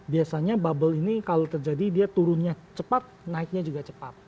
biasanya bubble ini kalau terjadi dia turunnya cepat naiknya juga cepat